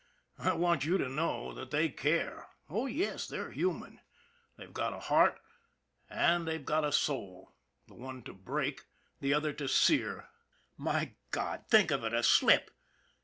I want you to know that they care. Oh, yes, they're human. They've got a heart and they've got a soul; the one to break, the other to sear. My God! think of it a slip.